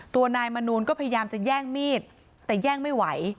ตัวนายมนูลก็พยายามจะแย่งมีดแต่แย่งไม่ไหว